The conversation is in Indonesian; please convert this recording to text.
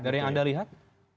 dari yang anda lihat